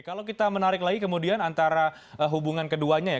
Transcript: kalau kita menarik lagi kemudian antara hubungan keduanya ya